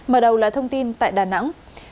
mở đầu là thông tin tại đà nẵng